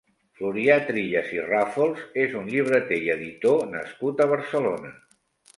Florià Trillas i Ràfols és un «Llibreter i editor» nascut a Barcelona.